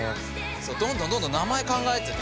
どんどんどんどん名前考えといて。